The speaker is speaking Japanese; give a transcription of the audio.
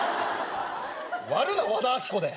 割るな和田アキ子で。